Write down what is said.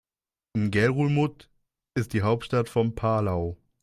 Ngerulmud ist die Hauptstadt von Palau.